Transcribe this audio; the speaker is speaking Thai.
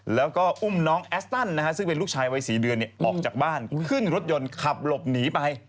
แล้วก็อุ้มน้องแอสตันซึ่งเป็นลูกชายวัย๔เดือนออกจากบ้านขึ้นรถยนต์ขับหลบหนีไป